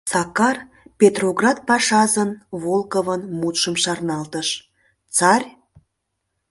Сакар Петроград пашазын, Волковын, мутшым шарналтыш: «Царь...